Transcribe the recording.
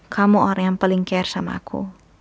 kamu orang yang paling care sama aku